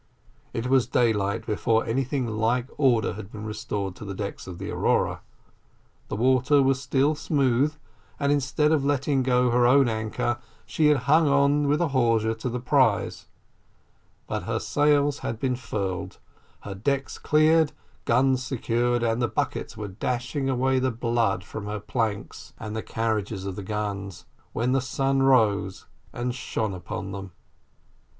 It was daylight before anything like order had been restored to the decks of the Aurora; the water was still smooth, and instead of letting go her own anchor, she had hung on with a hawser to the prize, but her sails had been furled, her decks cleared, guns secured, and the buckets were dashing away the blood from her planks and the carriages of the guns, when the sun rose and shone upon them.